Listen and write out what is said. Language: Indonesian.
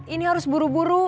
ini harus buru buru